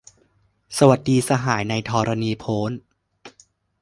สวัสดีสหายในธรณีโพ้น